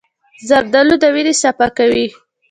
زردالو د وینې صفا کوي.